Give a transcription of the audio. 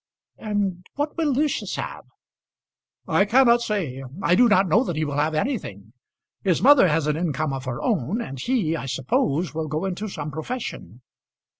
"And what will Lucius have?" "I cannot say. I do not know that he will have anything. His mother has an income of her own, and he, I suppose, will go into some profession."